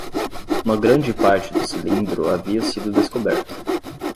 Uma grande parte do cilindro havia sido descoberta.